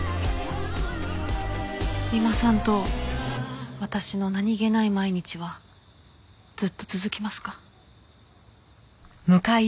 三馬さんと私の何げない毎日はずっと続きますか？